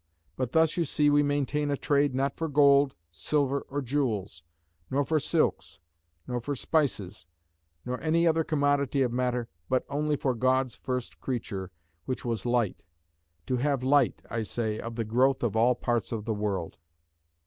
But thus you see we maintain a trade not for gold, silver, or jewels; nor for silks; nor for spices; nor any other commodity of matter; but only for God's first creature, which was Light: to have light (I say) of the growth of all parts of the world."